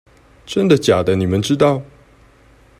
真的假的你們知道